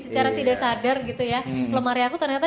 sadar gitu ya lemari aku ternyata